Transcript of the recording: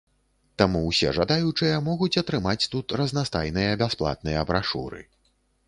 Таму ўсе жадаючыя могуць атрымаць тут разнастайныя бясплатныя брашуры.